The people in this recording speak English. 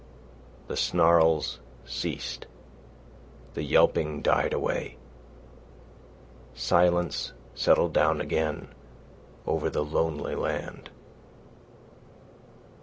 The snarls ceased. The yelping died away. Silence settled down again over the lonely land.